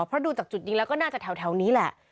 เพราะดูจากจุดยิงแล้วก็น่าจะแถวนี้แหละ